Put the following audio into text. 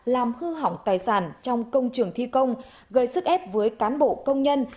làm hư hỏng tài sản trong công trường thi công gây sức ép với cán bộ công nhân